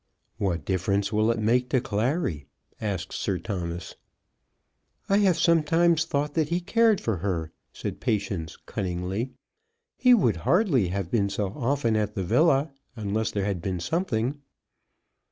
"What difference will it make to Clary?" asked Sir Thomas. "I have sometimes thought that he cared for her," said Patience cunningly. "He would hardly have been so often at the villa, unless there had been something."